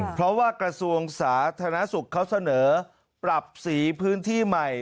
เพราะว่ากระทรวงสาธารณสุขเขาเสนอปรับสีพื้นที่ใหม่